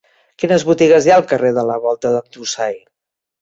Quines botigues hi ha al carrer de la Volta d'en Dusai?